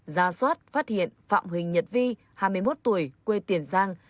ra soát phát hiện phạm huỳnh nhật vi hai mươi một tuổi quê tiền giang